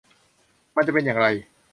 มันจะเป็นอย่างไร